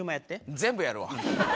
全部やるわ。